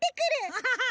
アハハハ。